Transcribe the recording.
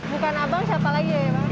bukan abang siapa lagi ya bang